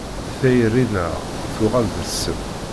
Tayri-nneɣ tuɣal d ssem.